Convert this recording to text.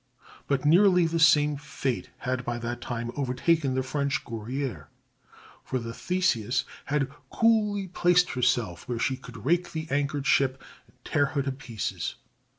But nearly the same fate had by that time overtaken the French Guerrière, for the Theseus had coolly placed herself where she could rake the anchored ship and tear her to pieces.